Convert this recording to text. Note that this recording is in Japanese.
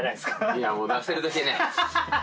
いやもう出せるだけね。